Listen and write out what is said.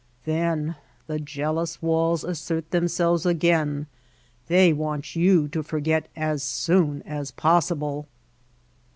Then the jealous walls assert themselves again ; they want you to forget as soon as possible.